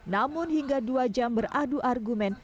namun hingga dua jam beradu argumen